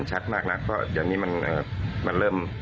โจชน์ขายไปเยอะแล้ว